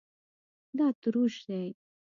دا تروش دی